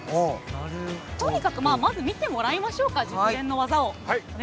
とにかくまず見てもらいましょうか。